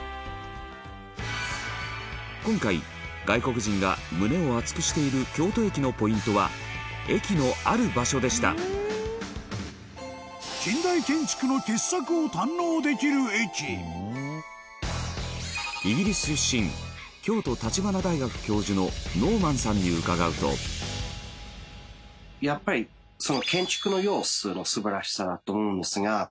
今回外国人が胸を熱くしている京都駅のポイントは駅の、ある場所でしたイギリス出身京都橘大学教授のノーマンさんに伺うとやっぱり、建築の様子の素晴らしさだと思うんですが。